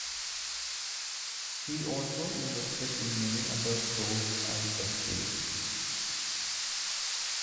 He also invested in many other stores and estates.